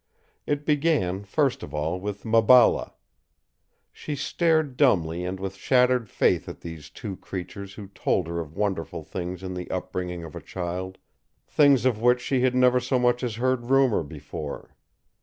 It began, first of all, with Maballa. She stared dumbly and with shattered faith at these two creatures who told her of wonderful things in the upbringing of a child things of which she had never so much as heard rumor before.